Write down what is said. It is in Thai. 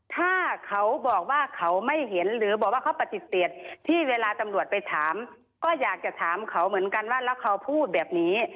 ถ้าเขาบอกว่าเขาไม่เห็นหรือบอกว่าเขาปฏิเสธที่เวลาตำรวจไปถามก็อยากจะถามเขาเหมือนกันว่าแล้วเขาพูดแบบนี้